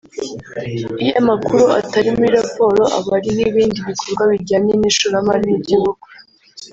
Iyo amakuru atari muri raporo aba ari nk’ibindi bikorwa bijyanye n’ishoramari mu gihugu